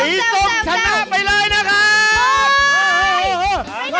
ส้มชนะไปเลยนะครับ